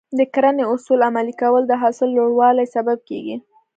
د کرنې اصول عملي کول د حاصل لوړوالي سبب کېږي.